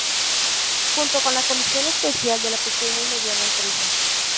Junto con la Comisión Especial de la Pequeña y Mediana Empresa.